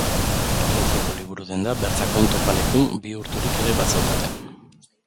Auzoko liburudenda bertakoen topaleku bihurturik ere bazeukaten.